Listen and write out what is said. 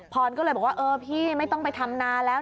พรก็เลยบอกว่าเออพี่ไม่ต้องไปทำนาแล้ว